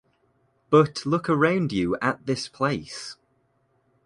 But look around you at this place.